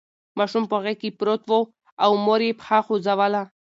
ماشوم په غېږ کې پروت و او مور یې پښه خوځوله.